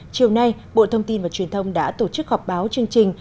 chiều nay bộ thông tin và truyền thông đã tổ chức họp báo chương trình